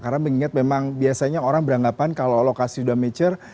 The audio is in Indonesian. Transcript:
karena mengingat memang biasanya orang beranggapan kalau lokasi sudah mature